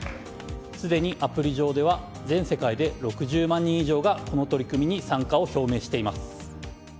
すでにアプリ上では全世界で６０万人以上がこの取り組みに参加を表明しています。